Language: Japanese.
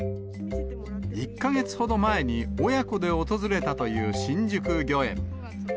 １か月ほど前に親子で訪れたという新宿御苑。